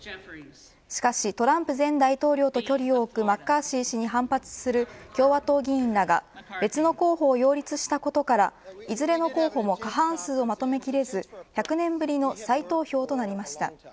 しかし、トランプ前大統領と距離を置くマッカーシー氏に反発する共和党議員らが別の候補を擁立したことからいずれの候補も過半数をまとめきれず１００年ぶりの再投票となりました。